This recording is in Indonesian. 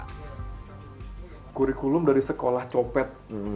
kurikulum dari sekolah copet